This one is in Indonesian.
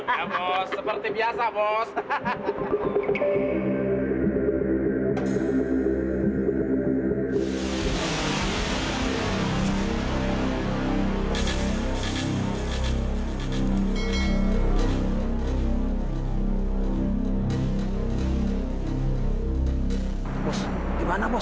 ya bos seperti biasa bos